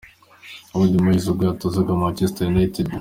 David Moyes ubwo yatozaga Manchester United.